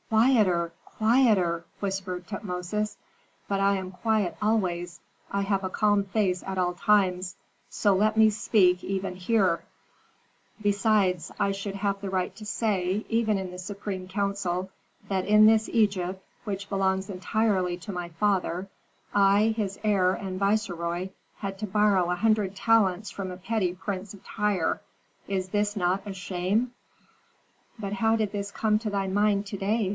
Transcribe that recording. "Quieter! quieter!" whispered Tutmosis. "But I am quiet always; I have a calm face at all times, so let me speak even here; besides, I should have the right to say, even in the supreme council, that in this Egypt, which belongs entirely to my father, I, his heir and viceroy, had to borrow a hundred talents from a petty prince of Tyre. Is this not a shame?" "But how did this come to thy mind to day?"